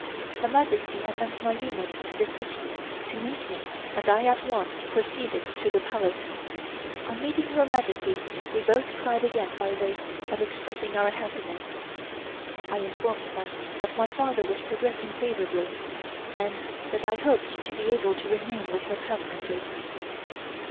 Her Majesty had sent my eunuchs to the station to meet me and I at once proceeded to the Palace. On meeting Her Majesty we both cried again by way of expressing our happiness. I informed her that my father was progressing favorably and that I hoped to be able to remain with her permanently.